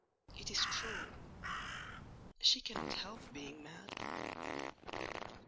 It is cruel—she cannot help being mad."